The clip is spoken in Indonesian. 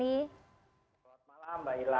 terimakasih mbak hilal